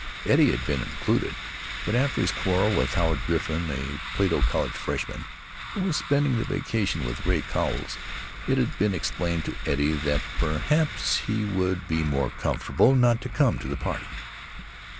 Eddie had been included, but after his quarrel with Howard Griffin, a Plato College freshman who was spending the vacation with Ray Cowles, it had been explained to Eddie that perhaps he would be more comfortable not to come to the party.